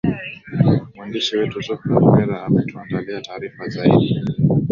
mwandishi wetu zuhra mwera ametuandalia taarifa zaidi